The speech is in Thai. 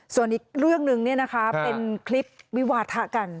ส่วนอีกเรื่องหนึ่งเป็นคลิปวิวาทะกัน